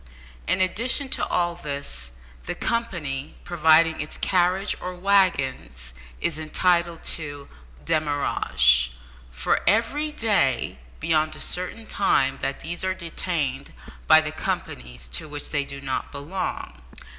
In addition to all this, the company providing its carriages or waggons is entitled to "demurrage" for every day beyond a certain time that these are detained by the companies to which they do not belong.